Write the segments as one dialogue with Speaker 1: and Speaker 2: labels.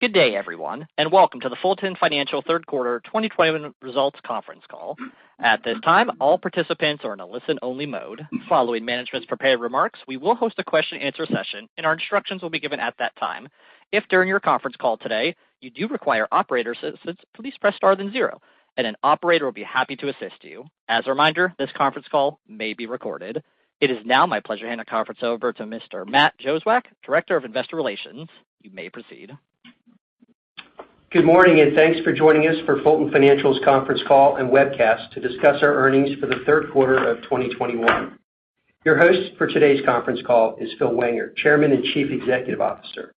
Speaker 1: Good day, everyone, and welcome to the Fulton Financial third quarter 2021 results conference call. At this time, all participants are in a listen-only mode. Following management's prepared remarks, we will host a question and answer session, and our instructions will be given at that time. If, during your conference call today, you do require operator assistance, please press star then zero and an operator will be happy to assist you. As a reminder, this conference call may be recorded. It is now my pleasure to hand the conference over to Mr. Matthew Jozwiak, Director of Investor Relations. You may proceed.
Speaker 2: Good morning, thanks for joining us for Fulton Financial's conference call and webcast to discuss our earnings for the third quarter of 2021. Your host for today's conference call is Philip Wenger, Chairman and Chief Executive Officer.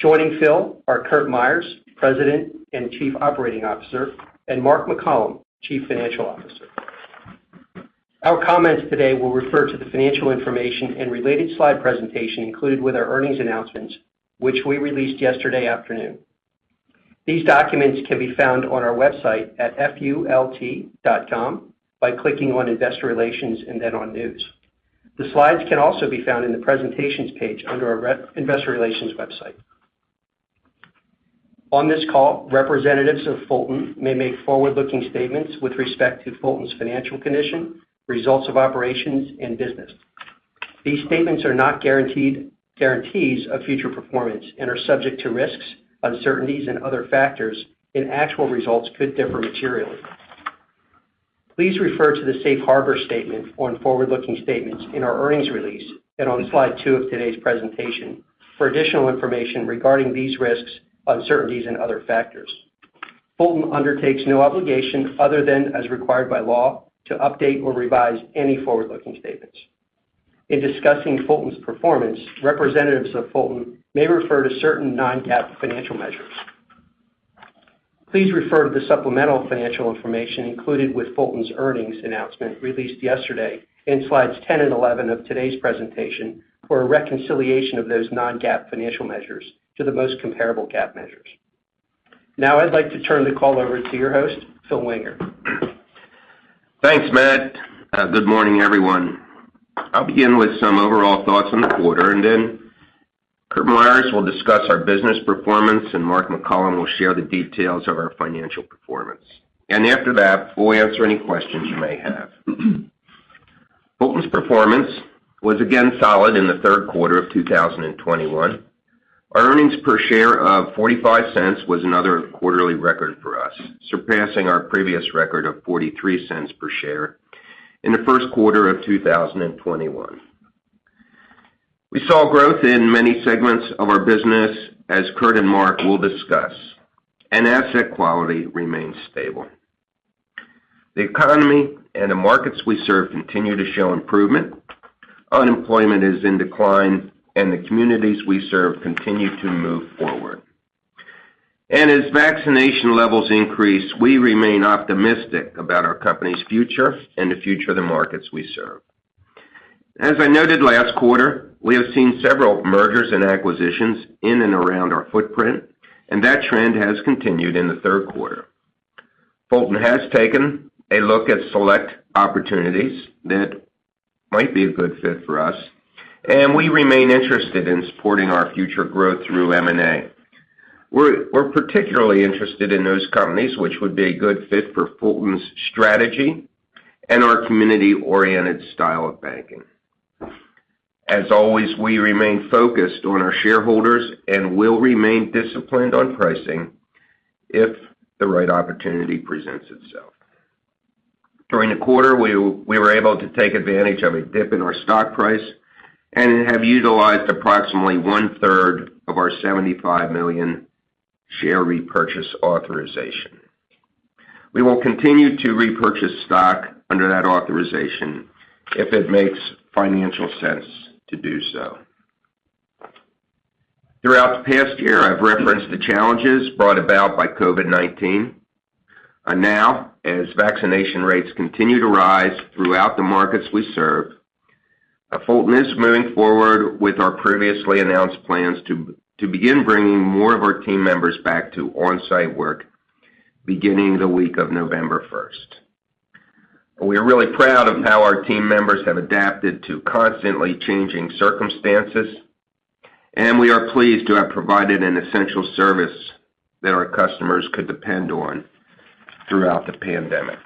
Speaker 2: Joining Phil are Curtis J. Myers, President and Chief Operating Officer, and Mark McCollom, Chief Financial Officer. Our comments today will refer to the financial information and related slide presentation included with our earnings announcements, which we released yesterday afternoon. These documents can be found on our website at fult.com by clicking on Investor Relations and then on News. The slides can also be found in the presentations page under our investor relations website. On this call, representatives of Fulton may make forward-looking statements with respect to Fulton's financial condition, results of operations, and business. These statements are not guarantees of future performance and are subject to risks, uncertainties, and other factors, and actual results could differ materially. Please refer to the safe harbor statement on forward-looking statements in our earnings release and on slide two of today's presentation for additional information regarding these risks, uncertainties, and other factors. Fulton undertakes no obligation, other than as required by law, to update or revise any forward-looking statements. In discussing Fulton's performance, representatives of Fulton may refer to certain non-GAAP financial measures. Please refer to the supplemental financial information included with Fulton's earnings announcement released yesterday in slides 10 and 11 of today's presentation for a reconciliation of those non-GAAP financial measures to the most comparable GAAP measures. Now I'd like to turn the call over to your host, Philip Wenger.
Speaker 3: Thanks, Matt. Good morning, everyone. I'll begin with some overall thoughts on the quarter, and then Curtis J. Myers will discuss our business performance, and Mark McCollom will share the details of our financial performance. After that, we'll answer any questions you may have. Fulton's performance was again solid in the third quarter of 2021. Our earnings per share of $0.45 was another quarterly record for us, surpassing our previous record of $0.43 per share in the first quarter of 2021. We saw growth in many segments of our business, as Curtis and Mark will discuss, and asset quality remains stable. The economy and the markets we serve continue to show improvement. Unemployment is in decline, and the communities we serve continue to move forward. As vaccination levels increase, we remain optimistic about our company's future and the future of the markets we serve. As I noted last quarter, we have seen several mergers and acquisitions in and around our footprint, and that trend has continued in the third quarter. Fulton has taken a look at select opportunities that might be a good fit for us, and we remain interested in supporting our future growth through M&A. We're particularly interested in those companies which would be a good fit for Fulton's strategy and our community-oriented style of banking. As always, we remain focused on our shareholders and will remain disciplined on pricing if the right opportunity presents itself. During the quarter, we were able to take advantage of a dip in our stock price and have utilized approximately 1/3 of our $75 million share repurchase authorization. We will continue to repurchase stock under that authorization if it makes financial sense to do so. Throughout the past year, I've referenced the challenges brought about by COVID-19. Now, as vaccination rates continue to rise throughout the markets we serve, Fulton is moving forward with our previously announced plans to begin bringing more of our team members back to on-site work beginning the week of November 1st. We are really proud of how our team members have adapted to constantly changing circumstances, and we are pleased to have provided an essential service that our customers could depend on throughout the pandemic.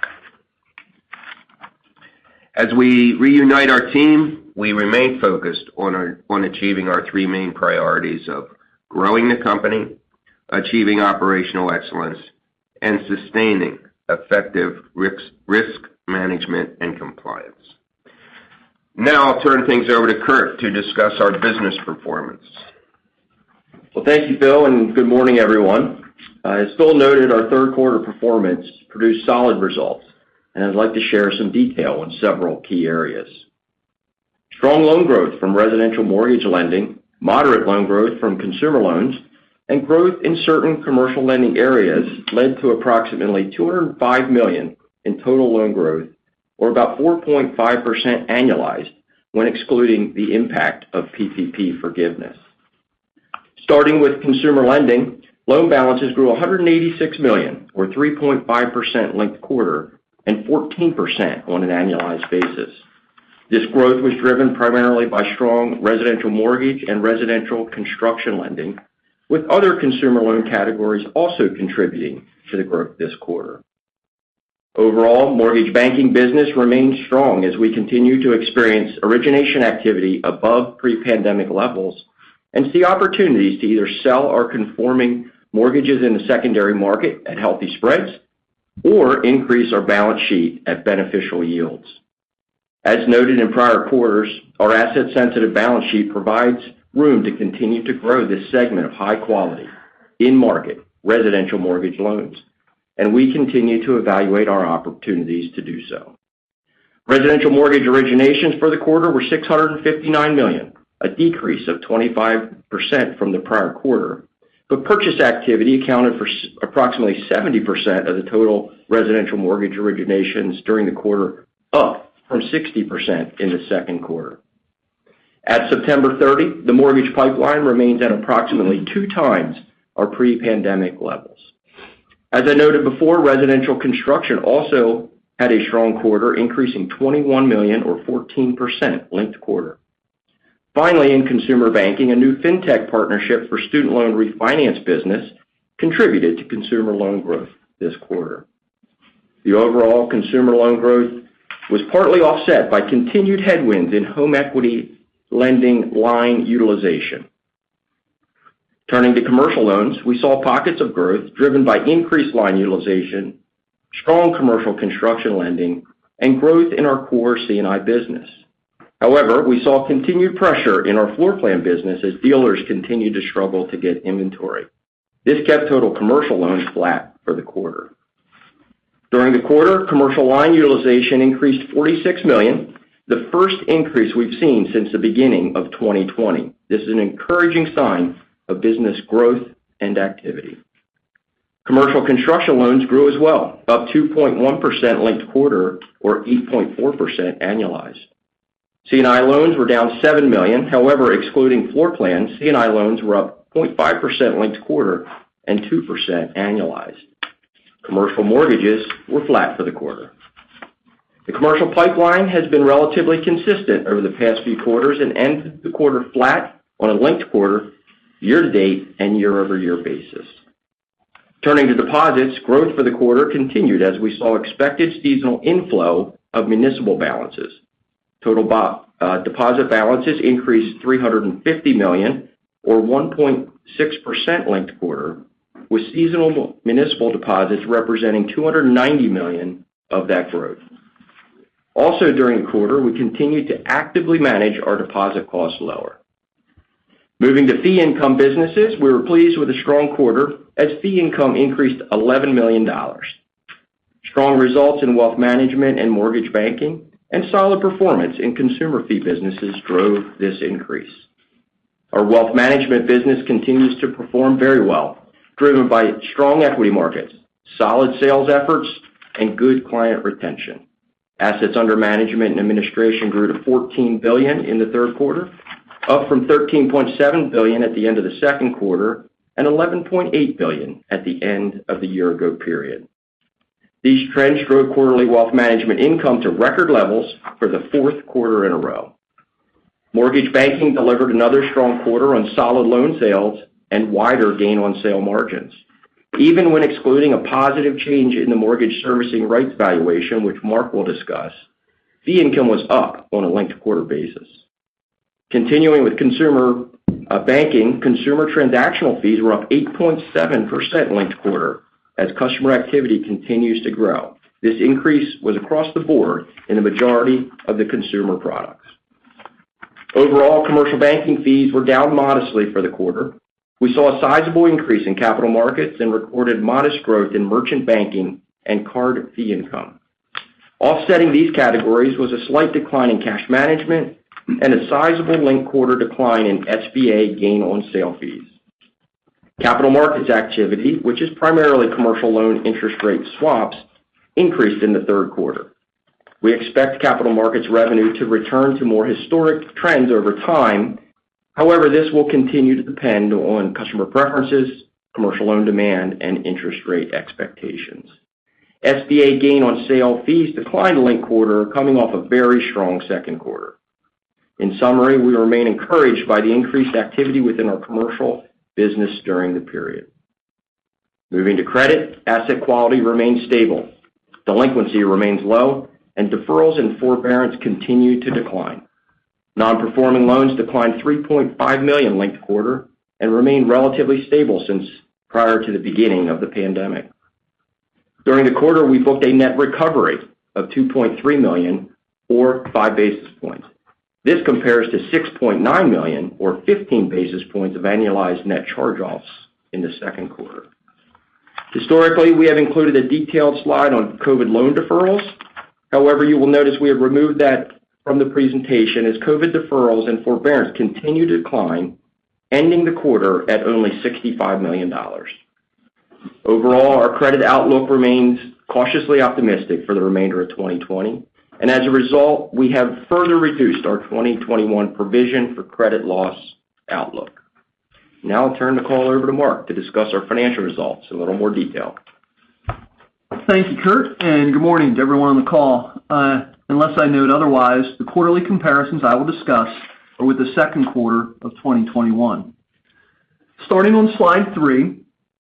Speaker 3: As we reunite our team, we remain focused on achieving our three main priorities of growing the company, achieving operational excellence, and sustaining effective risk management and compliance. I'll turn things over to Curtis to discuss our business performance.
Speaker 4: Well, thank you, Phil, and good morning, everyone. As Phil noted, our third quarter performance produced solid results, and I'd like to share some detail on several key areas. Strong loan growth from residential mortgage lending, moderate loan growth from consumer loans, and growth in certain commercial lending areas led to approximately $205 million in total loan growth or about 4.5% annualized when excluding the impact of PPP forgiveness. Starting with consumer lending, loan balances grew $186 million or 3.5% linked quarter and 14% on an annualized basis. This growth was driven primarily by strong residential mortgage and residential construction lending, with other consumer loan categories also contributing to the growth this quarter. Overall, mortgage banking business remains strong as we continue to experience origination activity above pre-pandemic levels, and see opportunities to either sell our conforming mortgages in the secondary market at healthy spreads or increase our balance sheet at beneficial yields. As noted in prior quarters, our asset-sensitive balance sheet provides room to continue to grow this segment of high-quality, in-market, residential mortgage loans, and we continue to evaluate our opportunities to do so. Residential mortgage originations for the quarter were $659 million, a decrease of 25% from the prior quarter, but purchase activity accounted for approximately 70% of the total residential mortgage originations during the quarter, up from 60% in the second quarter. At September 30, the mortgage pipeline remains at approximately two times our pre-pandemic levels. As I noted before, residential construction also had a strong quarter, increasing $21 million or 14% linked quarter. Finally, in consumer banking, a new fintech partnership for student loan refinance business contributed to consumer loan growth this quarter. The overall consumer loan growth was partly offset by continued headwinds in home equity lending line utilization. Turning to commercial loans, we saw pockets of growth driven by increased line utilization, strong commercial construction lending, and growth in our core C&I business. We saw continued pressure in our floorplan business as dealers continued to struggle to get inventory. This kept total commercial loans flat for the quarter. During the quarter, commercial line utilization increased $46 million, the first increase we've seen since the beginning of 2020. This is an encouraging sign of business growth and activity. Commercial construction loans grew as well, up 2.1% linked quarter or 8.4% annualized. C&I loans were down $7 million. Excluding floorplans, C&I loans were up 0.5% linked quarter and 2% annualized. Commercial mortgages were flat for the quarter. The commercial pipeline has been relatively consistent over the past few quarters and ended the quarter flat on a linked-quarter, year-to-date, and year-over-year basis. Turning to deposits, growth for the quarter continued as we saw expected seasonal inflow of municipal balances. Total deposit balances increased $350 million or 1.6% linked-quarter, with seasonal municipal deposits representing $290 million of that growth. Also during the quarter, we continued to actively manage our deposit costs lower. Moving to fee income businesses, we were pleased with the strong quarter as fee income increased $11 million. Strong results in wealth management and mortgage banking and solid performance in consumer fee businesses drove this increase. Our wealth management business continues to perform very well, driven by strong equity markets, solid sales efforts, and good client retention. Assets under management and administration grew to $14 billion in the third quarter, up from $13.7 billion at the end of the second quarter and $11.8 billion at the end of the year-ago period. These trends drove quarterly wealth management income to record levels for the fourth quarter in a row. Mortgage banking delivered another strong quarter on solid loan sales and wider gain-on-sale margins. Even when excluding a positive change in the mortgage servicing rights valuation, which Mark will discuss, fee income was up on a linked-quarter basis. Continuing with consumer banking, consumer transactional fees were up 8.7% linked quarter as customer activity continues to grow. This increase was across the board in the majority of the consumer products. Overall, commercial banking fees were down modestly for the quarter. We saw a sizable increase in capital markets and recorded modest growth in merchant banking and card fee income. Offsetting these categories was a slight decline in cash management and a sizable linked-quarter decline in SBA gain-on-sale fees. Capital markets activity, which is primarily commercial loan interest rate swaps, increased in the third quarter. We expect capital markets revenue to return to more historic trends over time. However, this will continue to depend on customer preferences, commercial loan demand, and interest rate expectations. SBA gain-on-sale fees declined linked quarter, coming off a very strong second quarter. In summary, we remain encouraged by the increased activity within our commercial business during the period. Moving to credit, asset quality remains stable. Delinquency remains low, and deferrals and forbearance continue to decline. Non-performing loans declined $3.5 million linked quarter and remain relatively stable since prior to the beginning of the pandemic. During the quarter, we booked a net recovery of $2.3 million or 5 basis points. This compares to $6.9 million or 15 basis points of annualized net charge-offs in the second quarter. Historically, we have included a detailed slide on COVID loan deferrals. However, you will notice we have removed that from the presentation as COVID deferrals and forbearance continue to decline, ending the quarter at only $65 million. Overall, our credit outlook remains cautiously optimistic for the remainder of 2020, and as a result, we have further reduced our 2021 provision for credit loss outlook. Now I'll turn the call over to Mark to discuss our financial results in a little more detail.
Speaker 5: Thank you, Curtis, and good morning to everyone on the call. Unless I note otherwise, the quarterly comparisons I will discuss are with the second quarter of 2021. Starting on slide three,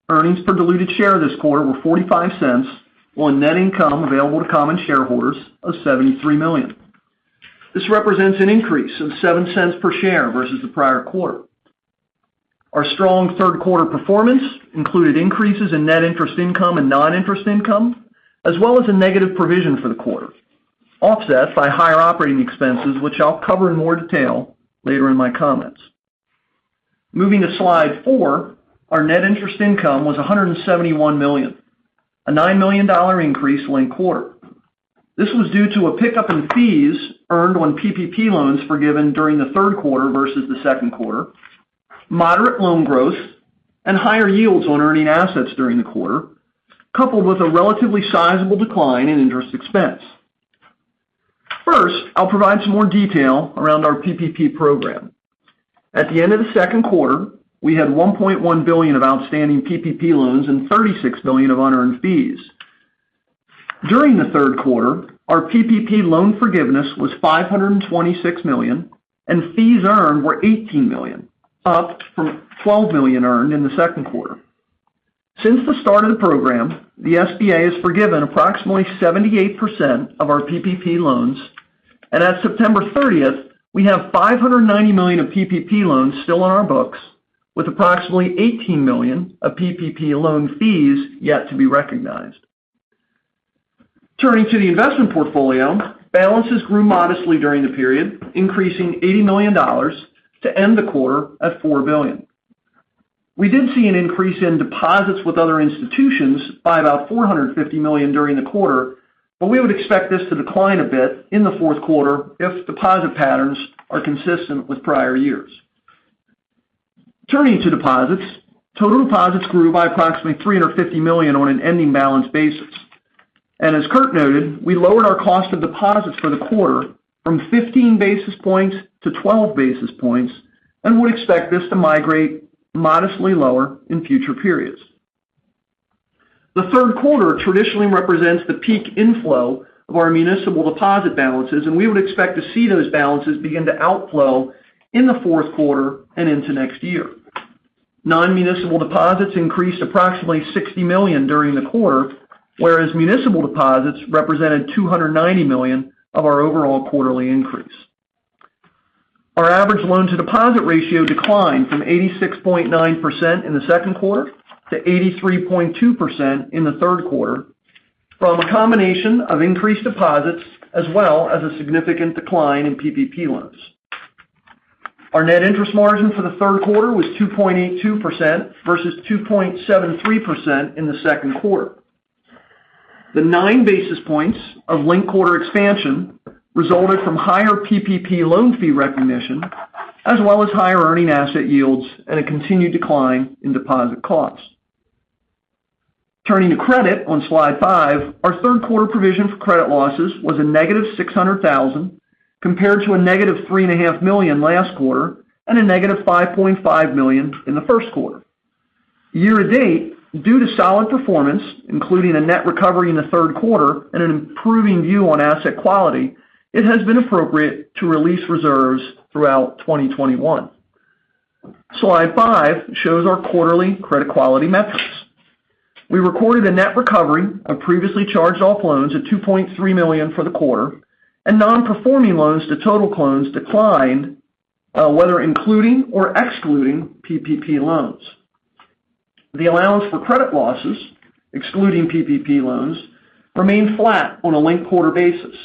Speaker 5: earnings per diluted share this quarter were $0.45 on net income available to common shareholders of $73 million. This represents an increase of $0.07 per share versus the prior quarter. Our strong third quarter performance included increases in net interest income and non-interest income, as well as a negative provision for the quarter, offset by higher operating expenses, which I'll cover in more detail later in my comments. Moving to slide four, our net interest income was $171 million, a $9 million increase linked quarter. This was due to a pickup in fees earned on PPP loans forgiven during the third quarter versus the second quarter, moderate loan growth, and higher yields on earning assets during the quarter, coupled with a relatively sizable decline in interest expense. I'll provide some more detail around our PPP program. At the end of the second quarter, we had $1.1 billion of outstanding PPP loans and $36 billion of unearned fees. During the third quarter, our PPP loan forgiveness was $526 million, and fees earned were $18 million, up from $12 million earned in the second quarter. Since the start of the program, the SBA has forgiven approximately 78% of our PPP loans, and at September 30th, we have $590 million of PPP loans still on our books, with approximately $18 million of PPP loan fees yet to be recognized. Turning to the investment portfolio, balances grew modestly during the period, increasing $80 million to end the quarter at $4 billion. We did see an increase in deposits with other institutions by about $450 million during the quarter, but we would expect this to decline a bit in the fourth quarter if deposit patterns are consistent with prior years. Turning to deposits, total deposits grew by approximately $350 million on earning balance basis. As Curtis noted, we lowered our cost of deposits for the quarter from 15 basis points to 12 basis points, and we expect this to migrate modestly lower in future periods. The third quarter traditionally represents the peak inflow of our municipal deposit balances, and we would expect to see those balances begin to outflow in the fourth quarter and into next year. Non-municipal deposits increased approximately $60 million during the quarter, whereas municipal deposits represented $290 million of our overall quarterly increase. Our average loan to deposit ratio declined from 86.9% in the second quarter to 83.2% in the third quarter from a combination of increased deposits, as well as a significant decline in PPP loans. Our net interest margin for the third quarter was 2.82% versus 2.73% in the second quarter. The nine basis points of linked quarter expansion resulted from higher PPP loan fee recognition, as well as higher earning asset yields and a continued decline in deposit costs. Turning to credit on slide five, our third quarter provision for credit losses was a -$600,000, compared to a -$3.5 million last quarter and a -$5.5 million in the first quarter. Year to date, due to solid performance, including a net recovery in the third quarter and an improving view on asset quality, it has been appropriate to release reserves throughout 2021. Slide five shows our quarterly credit quality metrics. We recorded a net recovery of previously charged-off loans at $2.3 million for the quarter, and non-performing loans to total loans declined, whether including or excluding PPP loans. The allowance for credit losses, excluding PPP loans, remained flat on a linked quarter basis,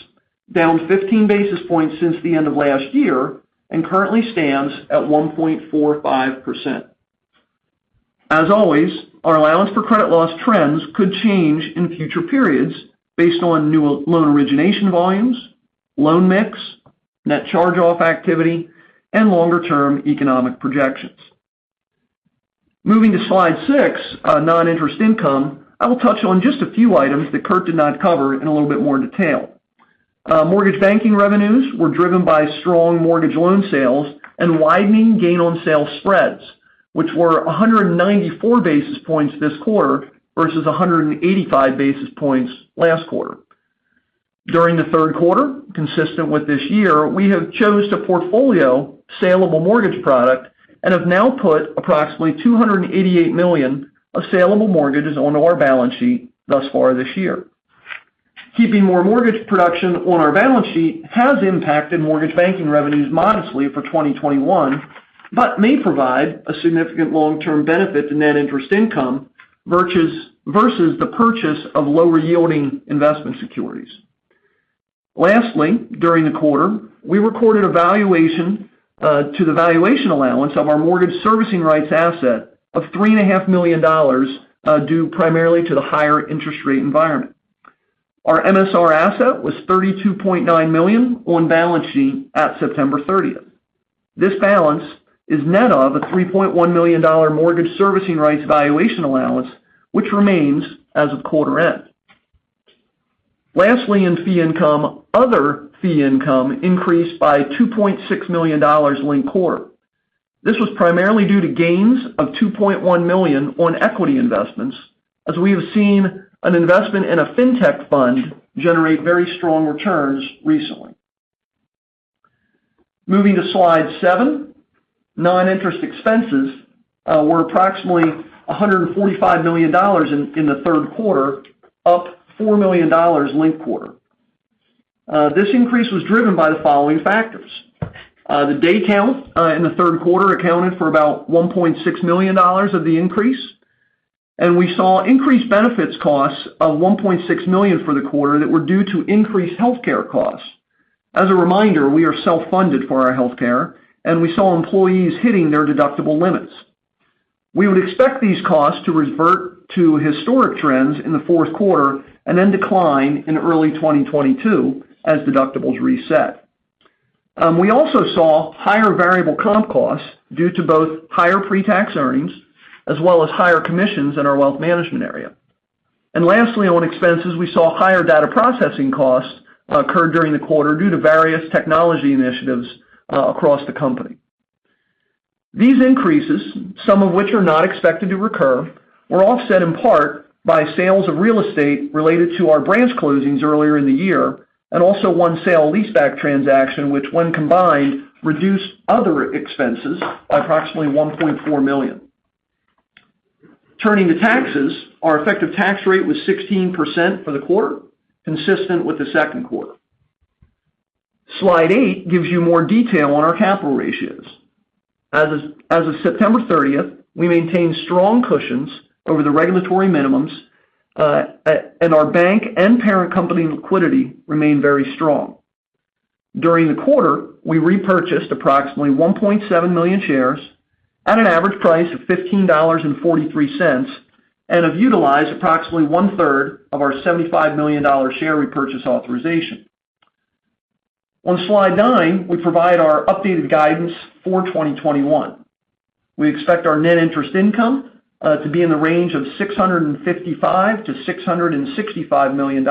Speaker 5: down 15 basis points since the end of last year and currently stands at 1.45%. As always, our allowance for credit loss trends could change in future periods based on new loan origination volumes, loan mix, net charge-off activity, and longer-term economic projections. Moving to slide six, non-interest income, I will touch on just a few items that Curtis did not cover in a little bit more detail. Mortgage banking revenues were driven by strong mortgage loan sales and widening gain on sale spreads, which were 194 basis points this quarter versus 185 basis points last quarter. During the third quarter, consistent with this year, we have chose to portfolio saleable mortgage product and have now put approximately $288 million of saleable mortgages onto our balance sheet thus far this year. Keeping more mortgage production on our balance sheet has impacted mortgage banking revenues modestly for 2021 but may provide a significant long-term benefit to net interest income versus the purchase of lower yielding investment securities. Lastly, during the quarter, we recorded a valuation to the valuation allowance of our mortgage servicing rights asset of $3.5 million due primarily to the higher interest rate environment. Our MSR asset was $32.9 million on balance sheet at September 30th. This balance is net of a $3.1 million mortgage servicing rights valuation allowance, which remains as of quarter end. Lastly, in fee income, other fee income increased by $2.6 million linked quarter. This was primarily due to gains of $2.1 million on equity investments, as we have seen an investment in a fintech fund generate very strong returns recently. Moving to slide seven, non-interest expenses were approximately $145 million in the third quarter, up $4 million linked quarter. This increase was driven by the following factors. The day count in the third quarter accounted for about $1.6 million of the increase, and we saw increased benefits costs of $1.6 million for the quarter that were due to increased healthcare costs. As a reminder, we are self-funded for our healthcare and we saw employees hitting their deductible limits. We would expect these costs to revert to historic trends in the fourth quarter and then decline in early 2022 as deductibles reset. We also saw higher variable comp costs due to both higher pre-tax earnings as well as higher commissions in our wealth management area. Lastly, on expenses, we saw higher data processing costs occur during the quarter due to various technology initiatives across the company. These increases, some of which are not expected to recur, were offset in part by sales of real estate related to our branch closings earlier in the year, and also one sale-leaseback transaction, which when combined reduced other expenses by approximately $1.4 million. Turning to taxes, our effective tax rate was 16% for the quarter, consistent with the second quarter. Slide eight gives you more detail on our capital ratios. As of September 30th, we maintained strong cushions over the regulatory minimums, and our bank and parent company liquidity remain very strong. During the quarter, we repurchased approximately 1.7 million shares at an average price of $15.43 and have utilized approximately 1/3 of our $75 million share repurchase authorization. On slide nine, we provide our updated guidance for 2021. We expect our net interest income to be in the range of $655 million-$665 million.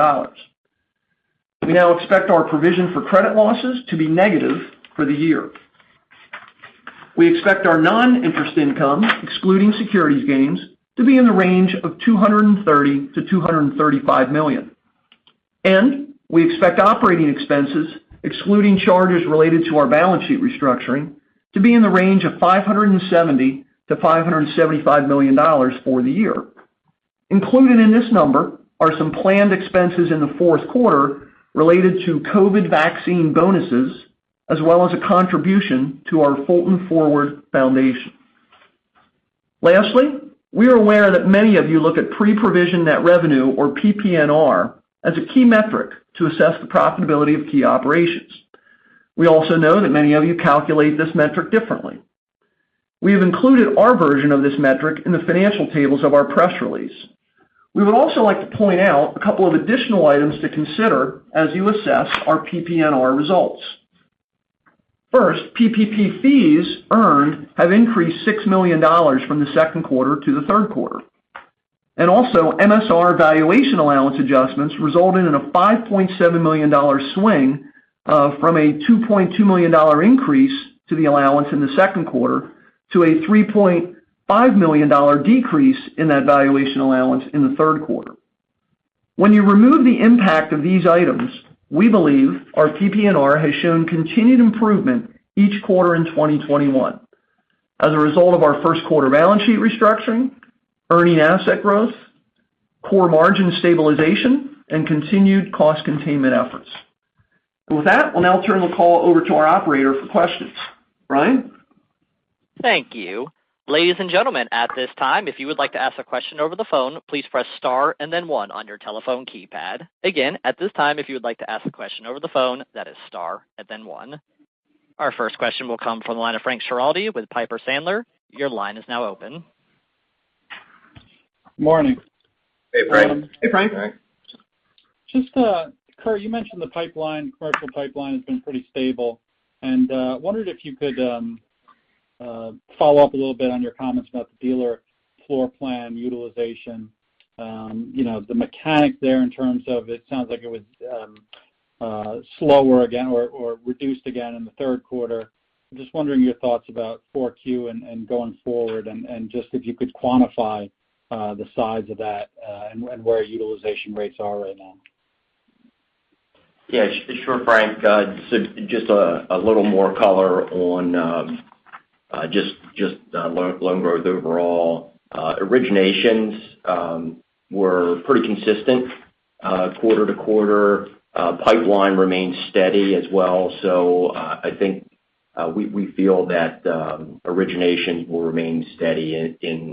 Speaker 5: We now expect our provision for credit losses to be negative for the year. We expect our non-interest income, excluding securities gains, to be in the range of $230 million-$235 million. We expect operating expenses, excluding charges related to our balance sheet restructuring, to be in the range of $570 million-$575 million for the year. Included in this number are some planned expenses in the fourth quarter related to COVID vaccine bonuses, as well as a contribution to our Fulton Forward Foundation. Lastly, we are aware that many of you look at pre-provision net revenue or PPNR as a key metric to assess the profitability of key operations. We also know that many of you calculate this metric differently. We have included our version of this metric in the financial tables of our press release. We would also like to point out a couple of additional items to consider as you assess our PPNR results. First, PPP fees earned have increased $6 million from the second quarter to the third quarter. MSR valuation allowance adjustments resulted in a $5.7 million swing from a $2.2 million increase to the allowance in the second quarter to a $3.5 million decrease in that valuation allowance in the third quarter. When you remove the impact of these items, we believe our PPNR has shown continued improvement each quarter in 2021 as a result of our first quarter balance sheet restructuring, earning asset growth, core margin stabilization, and continued cost containment efforts. We'll now turn the call over to our operator for questions. Brian?
Speaker 1: Thank you. Ladies and gentlemen, at this time, if you would like to ask a question over the phone, please press star and then one on your telephone keypad. Again, at this time, if you would like to ask a question over the phone, that is star and then one. Our first question will come from the line of Frank Schiraldi with Piper Sandler. Your line is now open.
Speaker 6: Morning.
Speaker 5: Hey, Frank.
Speaker 4: Hey, Frank.
Speaker 6: Just, Curtis, you mentioned the commercial pipeline has been pretty stable, and wondered if you could follow up a little bit on your comments about the dealer floor plan utilization. The mechanic there in terms of it sounds like it was slower again or reduced again in the third quarter. Just wondering your thoughts about Q4 and going forward and just if you could quantify the size of that and where utilization rates are right now.
Speaker 4: Yeah, sure, Frank. Just a little more color on just loan growth overall. Originations were pretty consistent quarter-to-quarter. Pipeline remains steady as well. I think we feel that originations will remain steady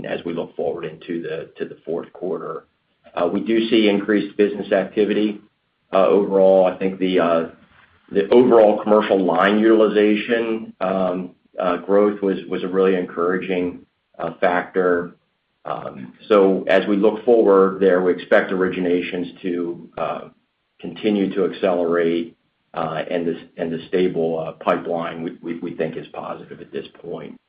Speaker 4: as we look forward into the fourth quarter. We do see increased business activity. Overall, I think the overall commercial line utilization growth was a really encouraging factor. As we look forward there, we expect originations to continue to accelerate and the stable pipeline we think is positive at this point.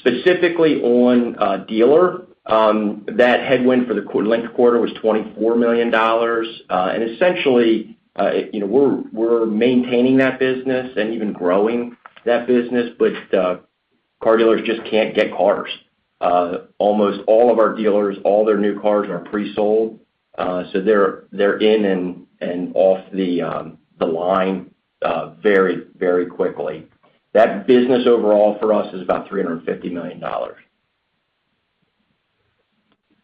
Speaker 4: Specifically on dealer, that headwind for the linked quarter was $24 million. Essentially, we're maintaining that business and even growing that business, but car dealers just can't get cars. Almost all of our dealers, all their new cars are pre-sold. They're in and off the line very quickly. That business overall for us is about $350 million.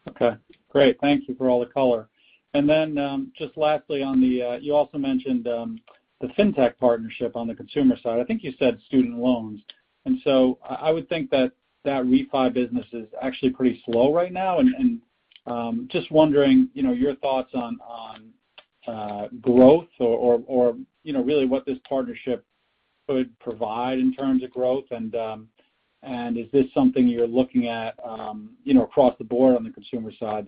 Speaker 6: Okay, great. Thank you for all the color. Then just lastly, you also mentioned the fintech partnership on the consumer side. I think you said student loans. So I would think that that refi business is actually pretty slow right now. Just wondering, your thoughts on growth or really what this partnership could provide in terms of growth. Is this something you're looking at across the board on the consumer side,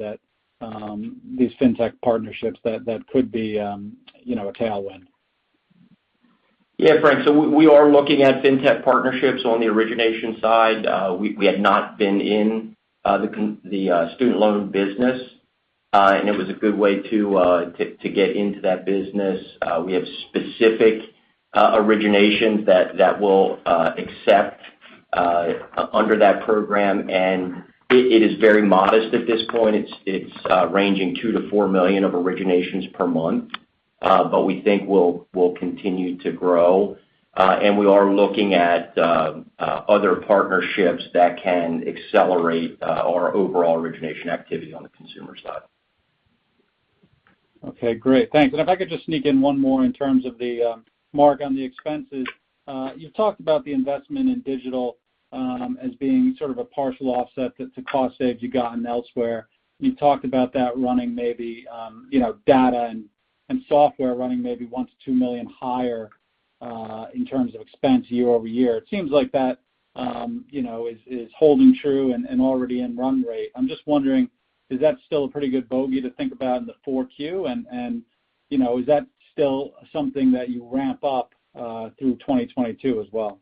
Speaker 6: these fintech partnerships that could be a tailwind?
Speaker 4: Yeah, Frank. We are looking at fintech partnerships on the origination side. We had not been in the student loan business. It was a good way to get into that business. We have specific originations that we'll accept under that program, and it is very modest at this point. It's ranging $2 million-$4 million of originations per month. We think we'll continue to grow. We are looking at other partnerships that can accelerate our overall origination activity on the consumer side.
Speaker 6: Okay, great. Thanks. If I could just sneak in one more in terms of Mark, on the expenses. You've talked about the investment in digital as being sort of a partial offset to cost saves you've gotten elsewhere. You talked about that running maybe data and software running maybe $1 million-$2 million higher, in terms of expense year-over-year. It seems like that is holding true and already in run rate. I'm just wondering, is that still a pretty good bogey to think about in the Q4? Is that still something that you ramp up through 2022 as well?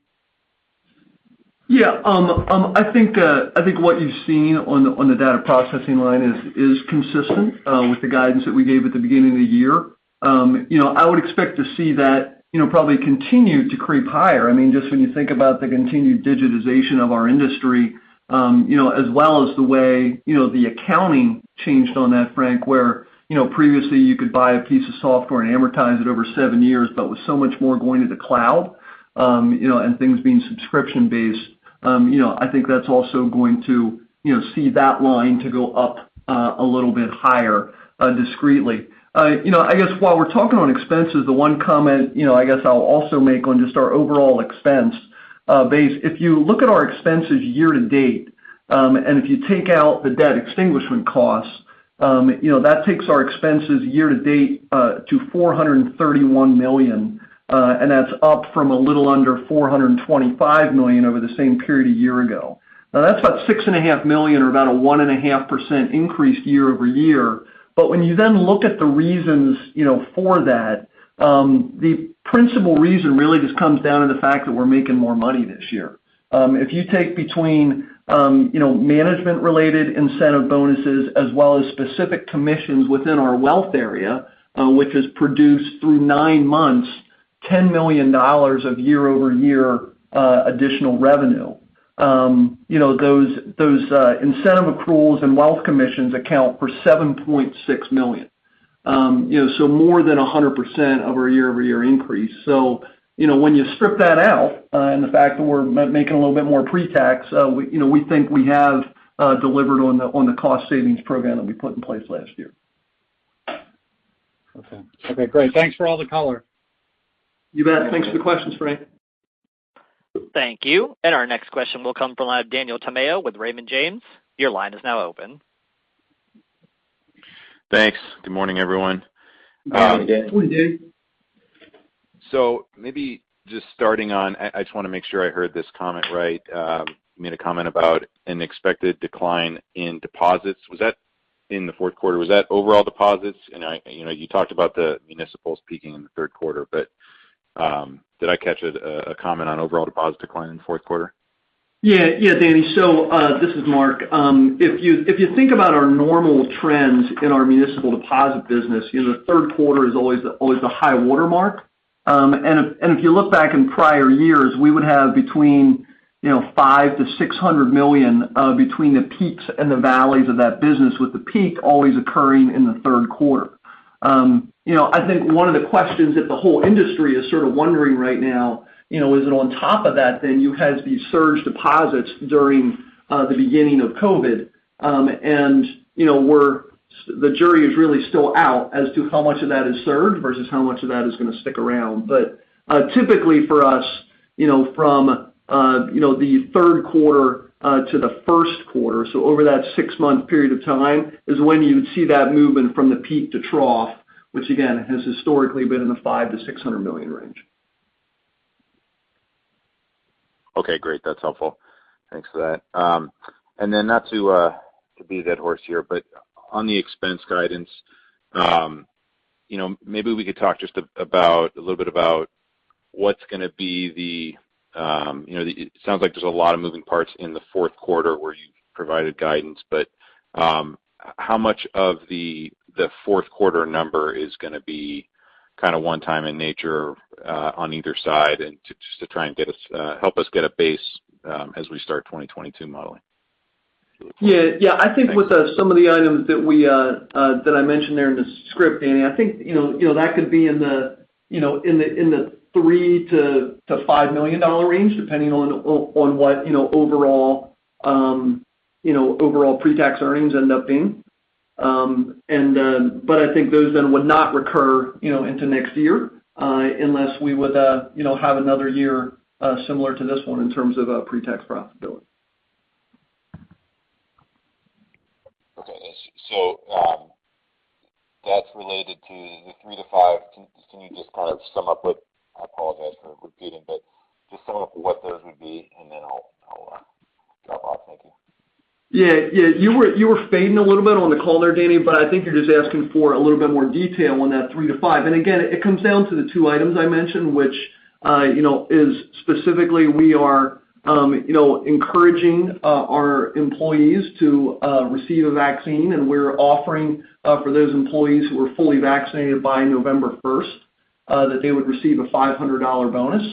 Speaker 5: I think what you've seen on the data processing line is consistent with the guidance that we gave at the beginning of the year. I would expect to see that probably continue to creep higher. When you think about the continued digitization of our industry, as well as the way the accounting changed on that, Frank Schiraldi. Previously you could buy a piece of software and amortize it over seven years. With so much more going to the cloud, and things being subscription-based, I think that's also going to see that line to go up a little bit higher discretely. I guess while we're talking on expenses, the one comment I guess I'll also make on just our overall expense base. If you look at our expenses year-to-date, and if you take out the debt extinguishment costs, that takes our expenses year-to-date to $431 million. That's up from a little under $425 million over the same period a year ago. Now, that's about $6.5 million or about a 1.5% increase year-over-year. When you then look at the reasons for that, the principal reason really just comes down to the fact that we're making more money this year. If you take between management-related incentive bonuses as well as specific commissions within our wealth area, which has produced through nine months, $10 million of year-over-year additional revenue. Those incentive accruals and wealth commissions account for $7.6 million. More than 100% of our year-over-year increase. When you strip that out and the fact that we're making a little bit more pre-tax, we think we have delivered on the cost savings program that we put in place last year.
Speaker 6: Okay, great. Thanks for all the color.
Speaker 5: You bet. Thanks for the questions, Frank.
Speaker 1: Thank you. Our next question will come from Daniel Tamayo with Raymond James. Your line is now open.
Speaker 7: Thanks. Good morning, everyone.
Speaker 5: Good morning, Dan.
Speaker 4: Good morning, Daniel.
Speaker 7: Maybe just starting on, I just want to make sure I heard this comment right. You made a comment about an expected decline in deposits. Was that in the fourth quarter? Was that overall deposits? You talked about the municipals peaking in the third quarter, did I catch a comment on overall deposit decline in the fourth quarter?
Speaker 5: Yeah, Daniel. This is Mark. If you think about our normal trends in our municipal deposit business, the third quarter is always the high watermark. If you look back in prior years, we would have between $500 million-$600 million between the peaks and the valleys of that business, with the peak always occurring in the third quarter. I think one of the questions that the whole industry is sort of wondering right now is that on top of that, then you had these surge deposits during the beginning of COVID. The jury is really still out as to how much of that is surge versus how much of that is going to stick around. Typically for us from the third quarter to the first quarter, over that six-month period of time, is when you would see that movement from the peak to trough, which again has historically been in the $500 million-$600 million range.
Speaker 7: Okay, great. That's helpful. Thanks for that. Not to beat a dead horse here, but on the expense guidance. Maybe we could talk just a little bit about. It sounds like there's a lot of moving parts in the fourth quarter where you provided guidance, but how much of the fourth quarter number is going to be one-time in nature on either side? Just to try and help us get a base as we start 2022 modeling.
Speaker 5: Yeah. I think with some of the items that I mentioned there in the script, Danny, I think that could be in the $3 million-$5 million range, depending on what overall pre-tax earnings end up being. I think those then would not recur into next year, unless we would have another year similar to this one in terms of pre-tax profitability.
Speaker 7: Okay. That's related to the three to five. I apologize for repeating, but just sum up what those would be, and then I'll drop off. Thank you.
Speaker 5: Yeah. You were fading a little bit on the call there, Daniel, but I think you're just asking for a little bit more detail on that three to five. Again, it comes down to the two items I mentioned, which is specifically we are encouraging our employees to receive a vaccine, and we're offering for those employees who are fully vaccinated by November 1st, that they would receive a $500 bonus.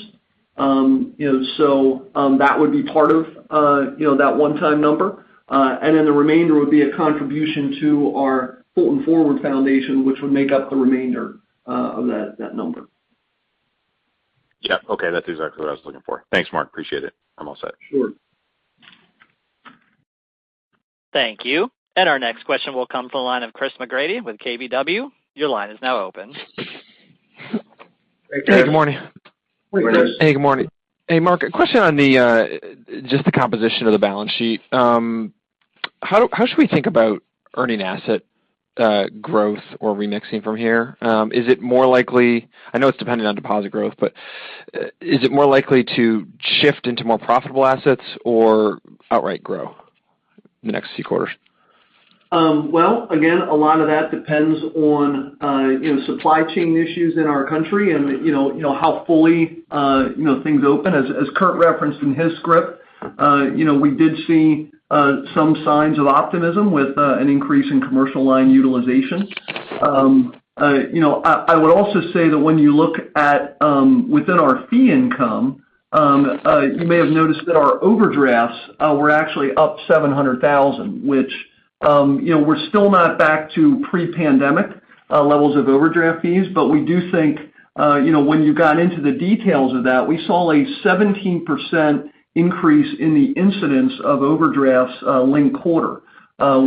Speaker 5: That would be part of that one-time number. Then the remainder would be a contribution to our Fulton Forward Foundation, which would make up the remainder of that number.
Speaker 7: Yep. Okay. That's exactly what I was looking for. Thanks, Mark. Appreciate it. I'm all set.
Speaker 5: Sure.
Speaker 1: Thank you. Our next question will come to the line of Chris McGratty with KBW. Your line is now open.
Speaker 8: Hey, good morning.
Speaker 5: Good morning.
Speaker 8: Hey, good morning. Hey, Mark. A question on just the composition of the balance sheet. How should we think about earning asset growth or remixing from here? I know it's dependent on deposit growth, but is it more likely to shift into more profitable assets or outright grow in the next few quarters?
Speaker 5: Well, again, a lot of that depends on supply chain issues in our country and how fully things open. As Curtis referenced in his script, we did see some signs of optimism with an increase in commercial line utilization. I would also say that when you look at within our fee income, you may have noticed that our overdrafts were actually up $700,000, which we're still not back to pre-pandemic levels of overdraft fees. We do think when you got into the details of that, we saw a 17% increase in the incidence of overdrafts linked quarter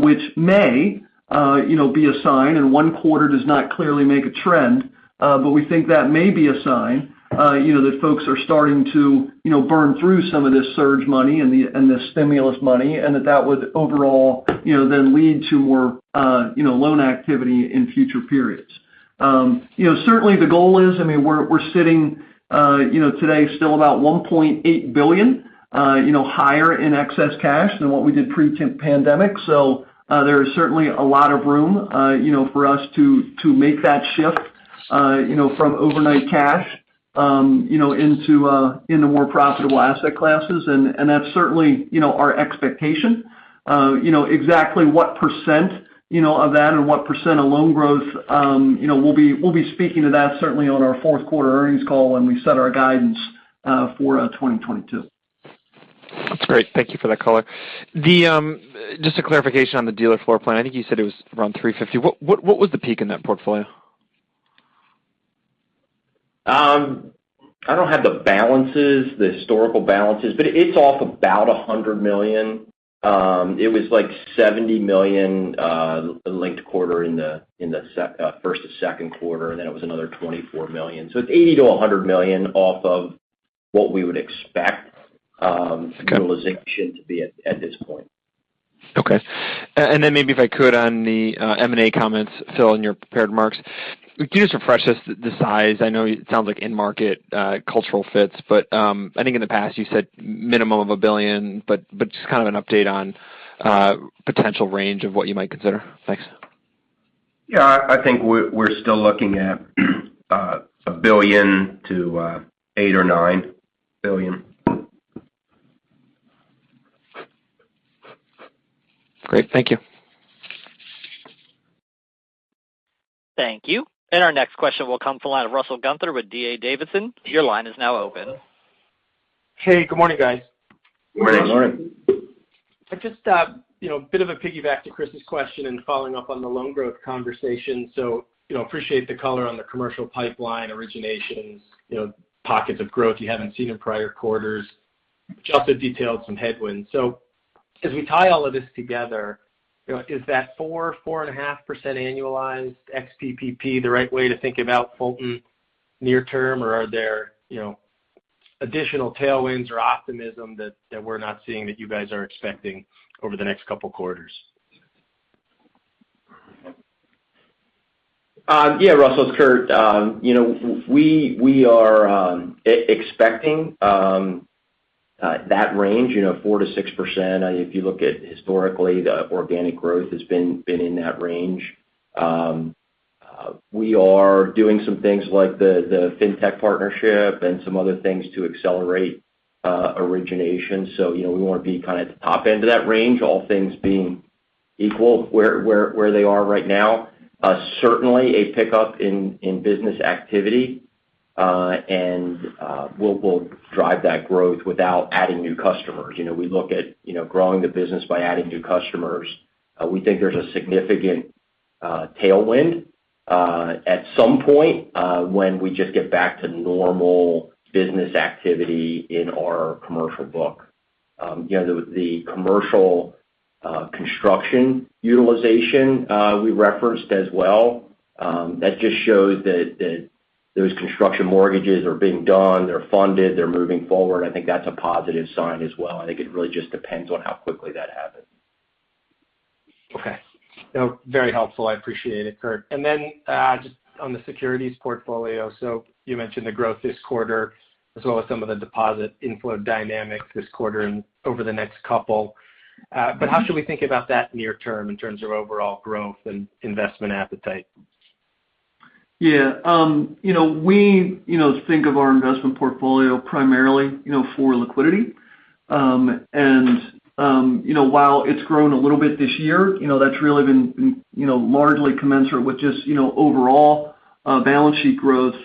Speaker 5: which may be a sign, and one quarter does not clearly make a trend. We think that may be a sign that folks are starting to burn through some of this surge money and the stimulus money, that would overall then lead to more loan activity in future periods. Certainly, the goal is, we're sitting today still about $1.8 billion higher in excess cash than what we did pre-pandemic. There is certainly a lot of room for us to make that shift from overnight cash into more profitable asset classes. That's certainly our expectation. Exactly what percent of that and what percent of loan growth, we'll be speaking to that certainly on our fourth quarter earnings call when we set our guidance for 2022.
Speaker 8: That's great. Thank you for that color. Just a clarification on the dealer floor plan. I think you said it was around $350. What was the peak in that portfolio?
Speaker 3: I don't have the balances, the historical balances, but it's off about $100 million. It was like $70 million linked quarter in the first to second quarter, and then it was another $24 million. It's $80 million-$100 million off of what we would expect.
Speaker 8: Okay
Speaker 3: utilization to be at this point.
Speaker 8: Okay. Maybe if I could on the M&A comments, Phil, in your prepared remarks. Can you just refresh us the size? I know it sounds like end market cultural fits, but I think in the past you said minimum of $1 billion, but just kind of an update on potential range of what you might consider. Thanks.
Speaker 3: Yeah, I think we're still looking at $1 billion-$8 billion or $9 billion.
Speaker 8: Great. Thank you.
Speaker 1: Thank you. Our next question will come from the line of Russell Gunther with D.A. Davidson. Your line is now open.
Speaker 9: Hey. Good morning, guys.
Speaker 4: Good morning.
Speaker 5: Good morning.
Speaker 9: Just a bit of a piggyback to Chris's question and following up on the loan growth conversation. Appreciate the color on the commercial pipeline originations, pockets of growth you haven't seen in prior quarters, which also detailed some headwinds. As we tie all of this together, is that 4%-4.5% annualized ex-PPP the right way to think about Fulton near term, or are there additional tailwinds or optimism that we're not seeing that you guys are expecting over the next couple quarters?
Speaker 4: Yeah, Russell, it's Curtis. We are expecting. That range, 4%-6%, if you look at historically, the organic growth has been in that range. We are doing some things like the fintech partnership and some other things to accelerate origination. We want to be kind of at the top end of that range, all things being equal, where they are right now. Certainly, a pickup in business activity will drive that growth without adding new customers. We look at growing the business by adding new customers. We think there's a significant tailwind, at some point, when we just get back to normal business activity in our commercial book. The commercial construction utilization we referenced as well. That just shows that those construction mortgages are being done, they're funded, they're moving forward. I think that's a positive sign as well. I think it really just depends on how quickly that happens.
Speaker 9: Okay. No, very helpful. I appreciate it, Curtis. Just on the securities portfolio. You mentioned the growth this quarter, as well as some of the deposit inflow dynamics this quarter and over the next couple. How should we think about that near term in terms of overall growth and investment appetite?
Speaker 5: Yeah. We think of our investment portfolio primarily for liquidity. While it's grown a little bit this year, that's really been largely commensurate with just overall balance sheet growth.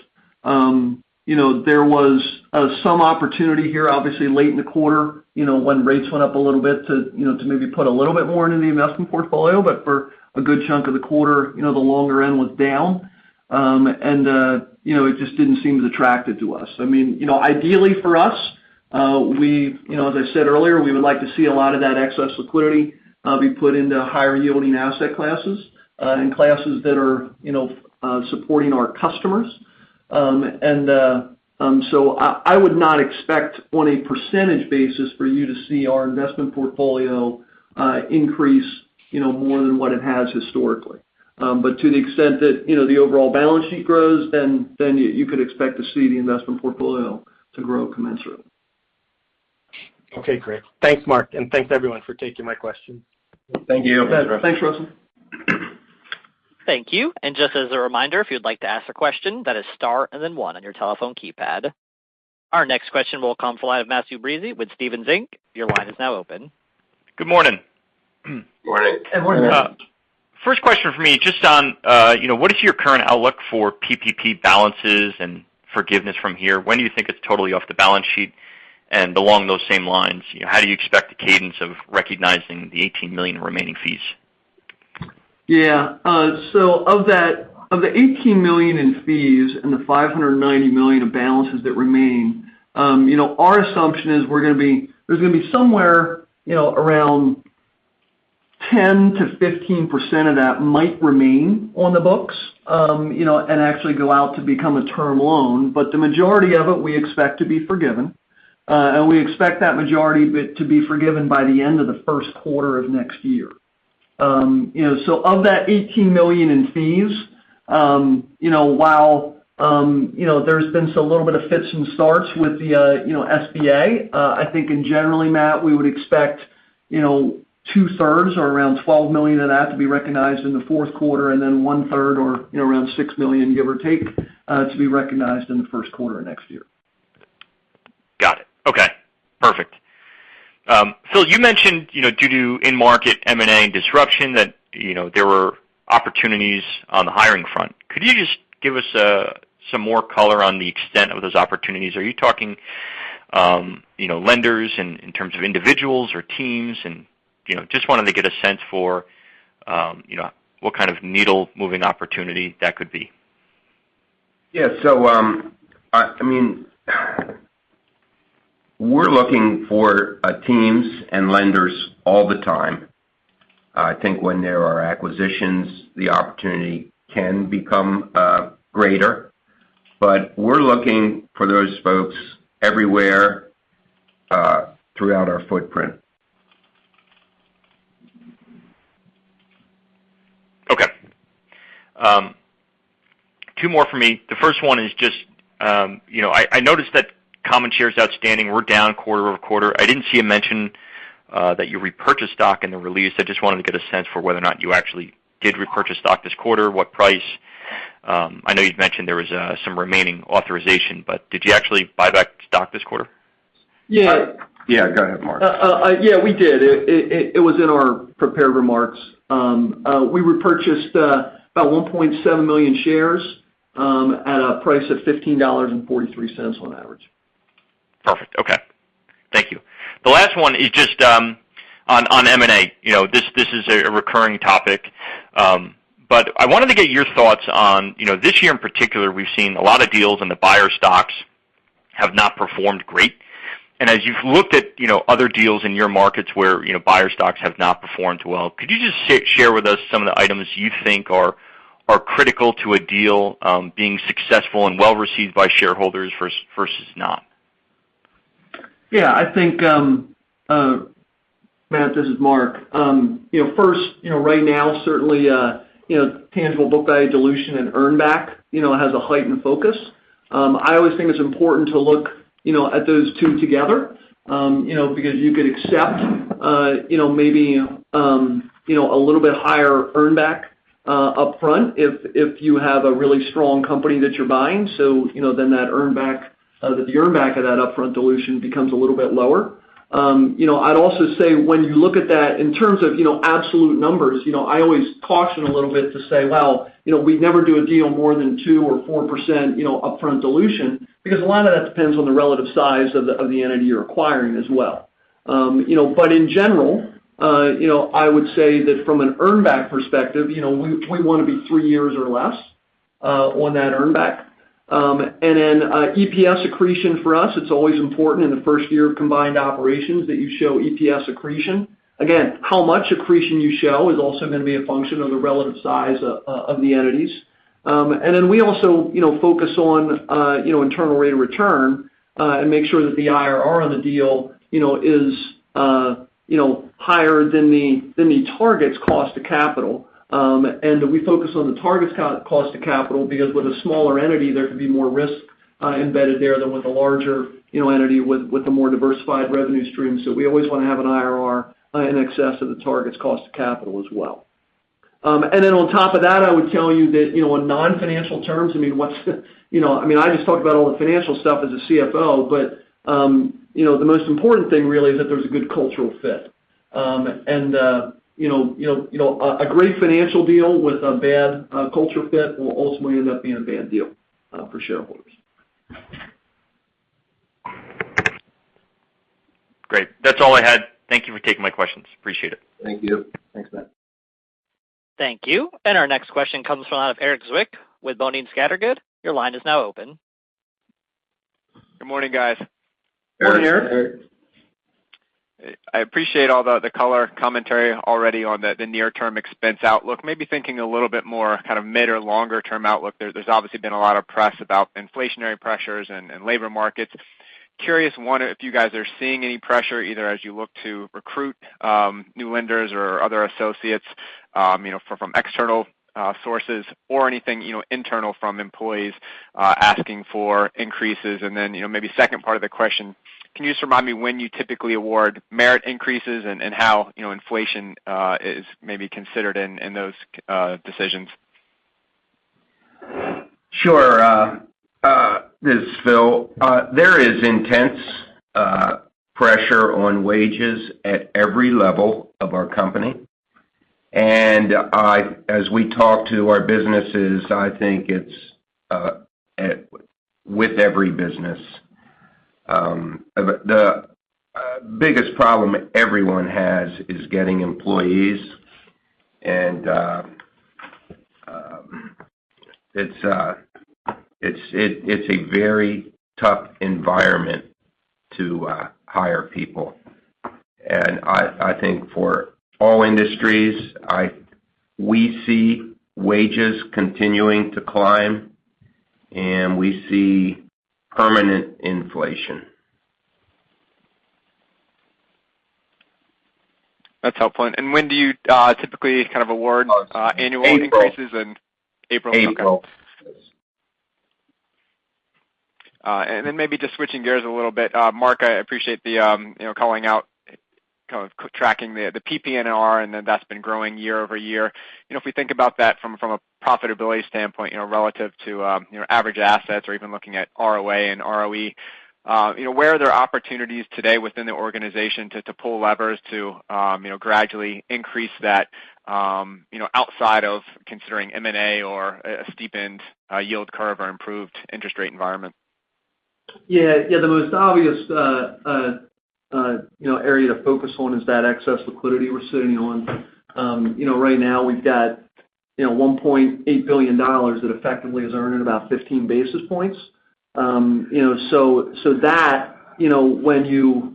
Speaker 5: There was some opportunity here, obviously, late in the quarter, when rates went up a little bit to maybe put a little bit more into the investment portfolio. For a good chunk of the quarter, the longer end was down. It just didn't seem as attractive to us. Ideally for us, as I said earlier, we would like to see a lot of that excess liquidity be put into higher-yielding asset classes and classes that are supporting our customers. I would not expect on a percentage basis for you to see our investment portfolio increase more than what it has historically. To the extent that the overall balance sheet grows, then you could expect to see the investment portfolio to grow commensurately.
Speaker 9: Okay, great. Thanks, Mark, and thanks everyone for taking my questions.
Speaker 4: Thank you.
Speaker 5: You bet. Thanks, Russell.
Speaker 1: Thank you. Just as a reminder, if you'd like to ask a question, that is star and then one on your telephone keypad. Our next question will come from the line of Matthew Breese with Stephens Inc., your line is now open.
Speaker 10: Good morning.
Speaker 3: Morning.
Speaker 10: First question from me, just on what is your current outlook for PPP balances and forgiveness from here? When do you think it's totally off the balance sheet? Along those same lines, how do you expect the cadence of recognizing the $18 million in remaining fees?
Speaker 5: Yeah. Of the $18 million in fees and the $590 million of balances that remain, our assumption is there's going to be somewhere around 10%-15% of that might remain on the books, and actually go out to become a term loan. The majority of it we expect to be forgiven. We expect that majority to be forgiven by the end of the first quarter of next year. Of that $18 million in fees, while there's been a little bit of fits and starts with the SBA, I think in general, Matt, we would expect 2/3 or around $12 million of that to be recognized in the fourth quarter, and then 1/3 or around $6 million, give or take, to be recognized in the first quarter of next year.
Speaker 10: Got it. Okay, perfect. Phil, you mentioned due to in-market M&A and disruption that there were opportunities on the hiring front. Could you just give us some more color on the extent of those opportunities? Are you talking lenders in terms of individuals or teams? Just wanted to get a sense for what kind of needle-moving opportunity that could be.
Speaker 3: Yeah. We're looking for teams and lenders all the time. I think when there are acquisitions, the opportunity can become greater. We're looking for those folks everywhere throughout our footprint.
Speaker 10: Okay. Two more from me. The first one is just I noticed that common shares outstanding were down quarter-over-quarter. I didn't see you mention that you repurchased stock in the release. I just wanted to get a sense for whether or not you actually did repurchase stock this quarter, what price. I know you'd mentioned there was some remaining authorization, did you actually buy back stock this quarter?
Speaker 5: Yeah.
Speaker 3: Yeah, go ahead, Mark.
Speaker 5: Yeah, we did. It was in our prepared remarks. We repurchased about 1.7 million shares at a price of $15.43 on average.
Speaker 10: Perfect. Okay. Thank you. The last one is just on M&A. This is a recurring topic. I wanted to get your thoughts on this year in particular, we've seen a lot of deals and the buyer stocks have not performed great. As you've looked at other deals in your markets where buyer stocks have not performed well, could you just share with us some of the items you think are critical to a deal being successful and well-received by shareholders versus not?
Speaker 5: Yeah. Matthew, this is Mark. First, right now, certainly tangible book value dilution and earn back has a heightened focus. I always think it's important to look at those two together because you could accept maybe a little bit higher earn back upfront if you have a really strong company that you're buying. The earn back of that upfront dilution becomes a little bit lower. I'd also say when you look at that in terms of absolute numbers, I always caution a little bit to say, well, we'd never do a deal more than 2% or 4% upfront dilution because a lot of that depends on the relative size of the entity you're acquiring as well. In general, I would say that from an earn back perspective, we want to be three years or less on that earn back. EPS accretion for us, it's always important in the first year of combined operations that you show EPS accretion. How much accretion you show is also going to be a function of the relative size of the entities. We also focus on internal rate of return and make sure that the IRR on the deal is higher than the target's cost of capital. We focus on the target's cost of capital because with a smaller entity, there could be more risk embedded there than with a larger entity with a more diversified revenue stream. We always want to have an IRR in excess of the target's cost of capital as well. On top of that, I would tell you that on non-financial terms, I just talked about all the financial stuff as a CFO, but the most important thing really is that there's a good cultural fit. A great financial deal with a bad culture fit will ultimately end up being a bad deal for shareholders.
Speaker 10: Great. That's all I had. Thank you for taking my questions. Appreciate it.
Speaker 3: Thank you.
Speaker 5: Thanks, Matt.
Speaker 1: Thank you. Our next question comes from Erik Zwick with Boenning & Scattergood. Your line is now open.
Speaker 11: Good morning, guys.
Speaker 3: Good morning, Erik.
Speaker 11: I appreciate all the color commentary already on the near-term expense outlook. Maybe thinking a little bit more mid or longer-term outlook there. There's obviously been a lot of press about inflationary pressures and labor markets. Curious, one, if you guys are seeing any pressure either as you look to recruit new lenders or other associates from external sources or anything internal from employees asking for increases. Then maybe second part of the question, can you just remind me when you typically award merit increases and how inflation is maybe considered in those decisions?
Speaker 3: Sure. This is Phil. There is intense pressure on wages at every level of our company. As we talk to our businesses, I think it's with every business. The biggest problem everyone has is getting employees. It's a very tough environment to hire people. I think for all industries, we see wages continuing to climb, and we see permanent inflation.
Speaker 11: That's helpful. When do you typically award annual increases?
Speaker 3: April.
Speaker 11: April. Okay.
Speaker 3: April.
Speaker 11: Maybe just switching gears a little bit. Mark, I appreciate calling out, kind of tracking the PPNR and that's been growing year-over-year. If we think about that from a profitability standpoint relative to average assets or even looking at ROA and ROE, where are there opportunities today within the organization to pull levers to gradually increase that outside of considering M&A or a steepened yield curve or improved interest rate environment?
Speaker 5: Yeah. The most obvious area to focus on is that excess liquidity we're sitting on. Right now we've got $1.8 billion that effectively is earning about 15 basis points.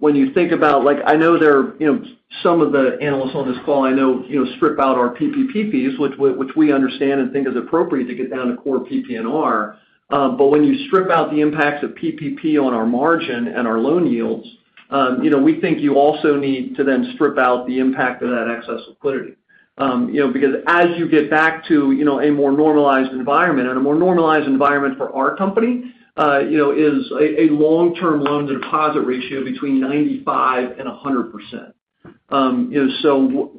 Speaker 5: When you think about I know some of the analysts on this call strip out our PPP fees, which we understand and think is appropriate to get down to core PPNR. When you strip out the impacts of PPP on our margin and our loan yields, we think you also need to then strip out the impact of that excess liquidity. Because as you get back to a more normalized environment, and a more normalized environment for our company is a long-term loan deposit ratio between 95% and 100%.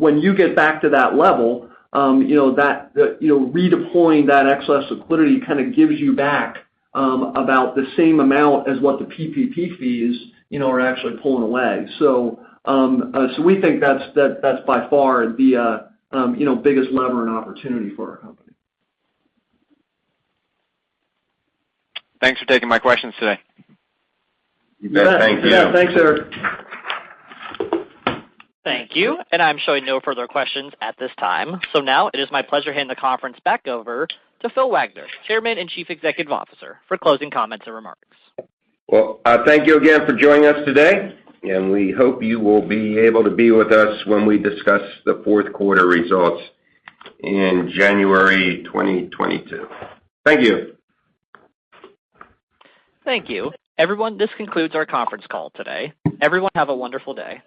Speaker 5: When you get back to that level, redeploying that excess liquidity kind of gives you back about the same amount as what the PPP fees are actually pulling away. We think that's by far the biggest lever and opportunity for our company.
Speaker 11: Thanks for taking my questions today.
Speaker 3: Thank you.
Speaker 5: Yeah. Thanks, Erik.
Speaker 1: Thank you. I'm showing no further questions at this time. Now it is my pleasure to hand the conference back over to Philip Wenger, Chairman and Chief Executive Officer, for closing comments and remarks.
Speaker 3: Well, thank you again for joining us today, and we hope you will be able to be with us when we discuss the fourth quarter results in January 2022. Thank you.
Speaker 1: Thank you. Everyone, this concludes our conference call today. Everyone have a wonderful day.